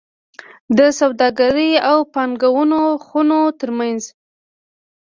د سوداګرۍ او پانګونو خونو ترمنځ